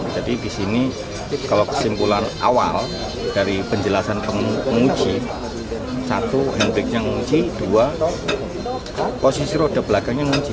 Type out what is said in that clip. jadi disini kalau kesimpulan awal dari penjelasan penguji satu handbrake nya ngunci dua posisi roda belakangnya ngunci